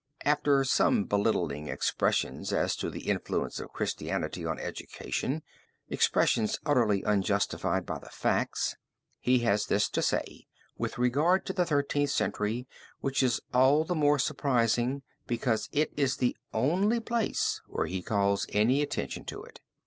After some belittling expressions as to the influence of Christianity on education expressions utterly unjustified by the facts he has this to say with regard to the Thirteenth Century, which is all the more surprising because it is the only place where he calls any attention to it.